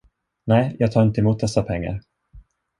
Nej, jag tar inte emot dessa pengar.